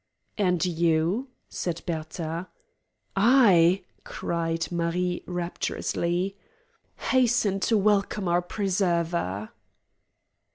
"And you?" said Bertha. "I," cried Marie rapturously, "hasten to welcome our preserver!"